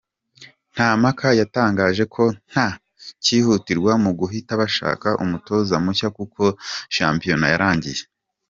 Ntampaka yatangaje ko nta kihutirwa mu guhita bashaka umutoza mushya kuko shampionat yarangiye.